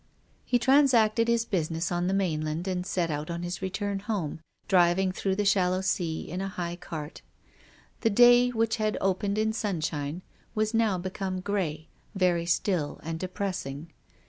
He transacted his business on the mainland and set out on his return home, driving through the shallow sea in a high cart. The day, which had opened in sunshine, was now become grey, very still and depressing.